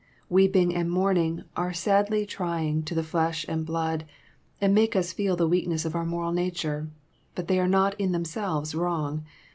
Weeping and mourning are sadly trying to flesh and blood, and make us feel the weakness of our mortal nature. But they are not in themselves wrong.